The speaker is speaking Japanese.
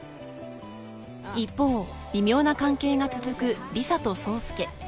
［一方微妙な関係が続く理沙と宗佑］